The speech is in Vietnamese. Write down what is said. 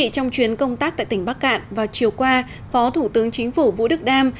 trong chuyến công tác tại tỉnh bắc cạn vào chiều qua phó thủ tướng chính phủ vũ đức đam